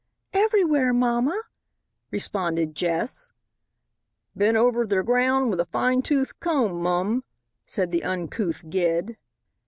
"Everywhere, mamma," responded Jess. "Bin over ther ground with a fine tooth comb, mum," said the uncouth Gid.